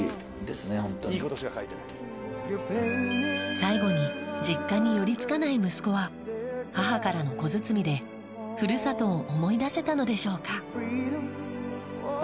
最後に実家に寄りつかない息子は母からの小包みでふるさとを思い出せたのでしょうか？